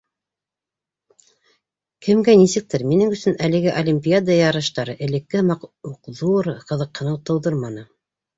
Кемгә нисектер, минең өсөн әлеге Олимпиада ярыштары элекке һымаҡ уҡ ҙур ҡыҙыҡһыныу тыуҙырманы.